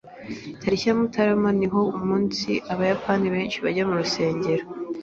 Tariki ya Mutarama ni umunsi Abayapani benshi bajya mu rusengero.